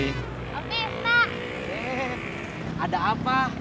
eh ada apa